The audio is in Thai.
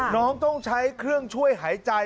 น้องต้องใช้เครื่องช่วยหายใจ